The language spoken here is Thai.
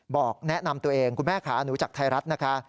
บอกแนะนำตัวเองคุณแม่ขาหนูจากไทยรัฐนะคะ